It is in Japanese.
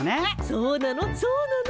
そうなの？